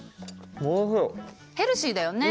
ヘルシーだよね。